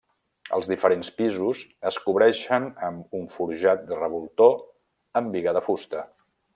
Els diferents pisos es cobreixen amb un forjat de revoltó amb biga de fusta.